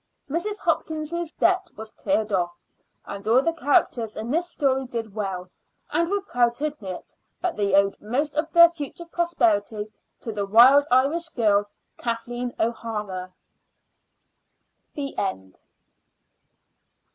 Mrs. Hopkins's debt was cleared off; and all the characters in this story did well, and were proud to admit that they owed most of their future prosperity to the Wild Irish Girl, Kathleen O'Hara. THE END.